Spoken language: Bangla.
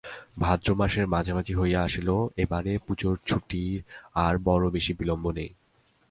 ভাদ্র মাসের মাঝামাঝি হইয়া আসিল, এবারে পূজার ছুটির আর বড়ো বেশি বিলম্ব নাই।